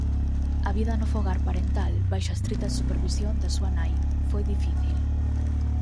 A vida no fogar parental baixo a estrita supervisión da súa nai foi difícil.